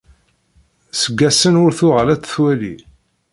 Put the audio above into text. Seg ass-en ur tuɣal ad tt-twali.